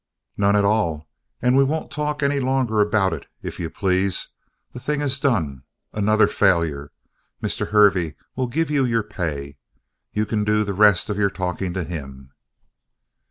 "None at all. And we won't talk any longer about it, if you please. The thing is done; another failure. Mr. Hervey will give you your pay. You can do the rest of your talking to him."